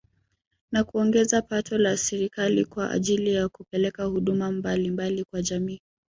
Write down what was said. Na kuongeza pato la serikali kwa ajili ya kupeleka huduma mbalimbali kwa jamii